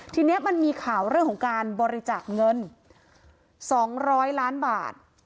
ทีนี้มันมีข่าวเรื่องของการบริจาคเงิน๒๐๐ล้านบาท